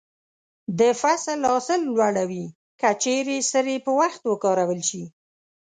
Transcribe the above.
د فصل حاصل لوړوي که چیرې سرې په وخت وکارول شي.